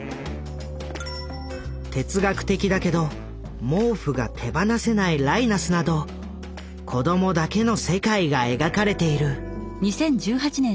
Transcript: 哲学的だけど毛布が手放せないライナスなど子供だけの世界が描かれている。